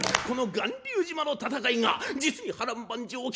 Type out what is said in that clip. この巌流島の戦いが実に波乱万丈